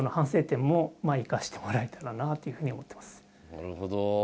なるほど。